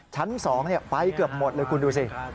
ชั้น๒ไปเกือบหมดเลยคุณดูสิ